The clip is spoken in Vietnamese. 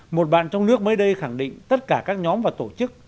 một bạn trong nước mới đây khẳng định tất cả các nhóm và tổ chức